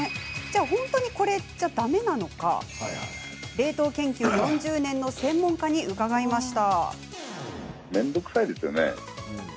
本当に、これじゃだめなのか冷凍研究４０年の専門家に伺いました。